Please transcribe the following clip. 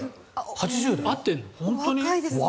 ８０代？